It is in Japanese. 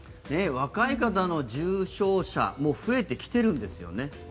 若い方の重症者も増えてきているんですよね。